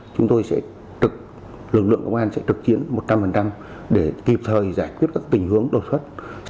chúng tôi sẽ trực lực lượng công an sẽ trực chiến một trăm linh để kịp thời giải quyết các tình huống đột xuất